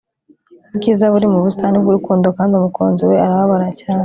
ubwiza buri mu busitani bwurukundo, kandi umukunzi we arababara cyane